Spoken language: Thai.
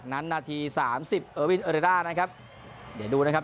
นาทีสามสิบเออร์วินเออร์เรด้านะครับเดี๋ยวดูนะครับ